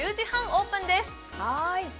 オープンです。